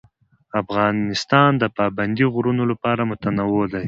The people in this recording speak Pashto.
افغانستان د پابندی غرونه له پلوه متنوع دی.